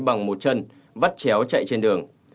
bằng một chân vắt chéo chạy trên đường